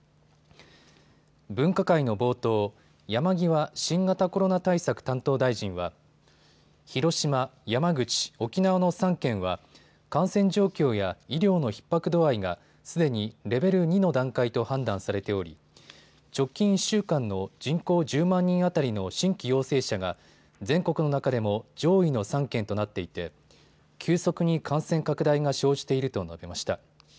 分科会の冒頭、山際新型コロナ対策担当大臣は広島、山口、沖縄の３県は感染状況や医療のひっ迫度合いがすでにレベル２の段階と判断されており直近１週間の人口１０万人当たりの新規陽性者が全国の中でも上位の３県となっていて急速に感染拡大が生じていると述べました。